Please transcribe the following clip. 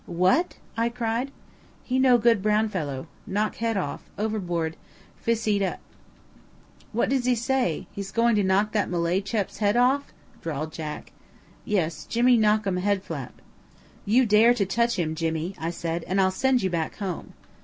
"What?" I cried. "He no good brown fellow. Knock head off. Overboard: fis eat up." "What does he say; he's going to knock that Malay chap's head off?" drawled Jack. "Yes, Jimmy knock um head flap." "You dare to touch him, Jimmy," I said, "and I'll send you back home."